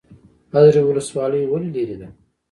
ازرې ولسوالۍ ولې لیرې ده؟